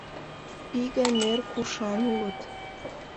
Пий гай нер пушан улыт.